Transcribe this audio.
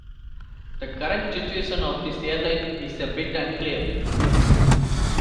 The current situation of this airline is a bit unclear.